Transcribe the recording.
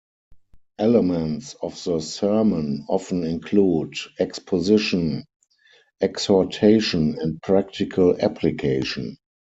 Elements of the sermon often include exposition, exhortation and practical application.